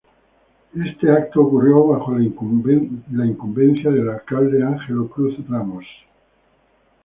Este evento ocurrió bajo la incumbencia del Alcalde Ángelo Cruz Ramos.